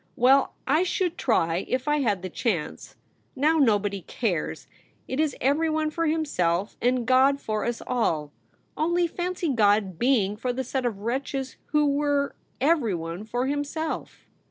Well, I should try, if I had the chance. Now nobody cares. It is everyone for him self and God for us all — only fancy God being for the set of wretches who were everyone tor himself!'